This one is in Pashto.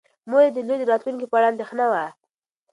مور یې د لور د راتلونکي په اړه اندېښمنه وه.